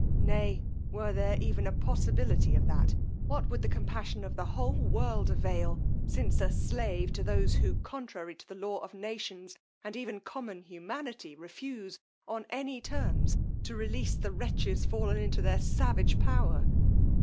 Nay, were there even a possibility of that, what would the compassion of the whole world avail, since a slave to those, who, contrary to the law of nations, and even common humanity, refuse, on any terms, to release the wretches fallen into their savage power!